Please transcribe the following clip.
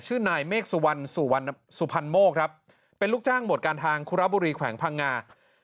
ชื่อนายเมฆสุวรรณสุพรรณโมกครับเป็นลูกจ้างหวดการทางคุระบุรีแขวงพังงา